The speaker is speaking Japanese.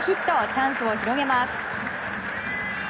チャンスを広げます。